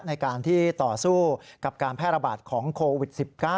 ในการที่ต่อสู้กับการแพร่ระบาดของโควิด๑๙